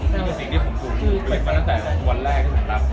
นี่คือสิ่งที่ผมดูมาตั้งแต่วันแรกถึงกองทัพ